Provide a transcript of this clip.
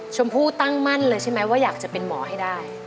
ชมพู่ตั้งมั่นเลยใช่ไหมว่าอยากจะเป็นหมอให้ได้